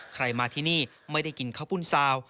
ใครมาที่นี่ไม่ได้กินข้าวปุ้นซาว